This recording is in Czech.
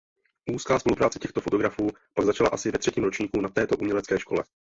Úzká spolupráce těchto fotografů pak začala asi ve třetím ročníku na této umělecké škole.